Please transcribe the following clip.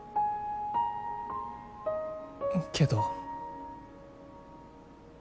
けど。